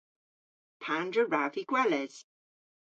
Pandr'a wrav vy gweles?